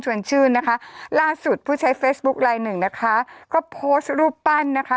ชื่นนะคะล่าสุดผู้ใช้เฟซบุ๊คลายหนึ่งนะคะก็โพสต์รูปปั้นนะคะ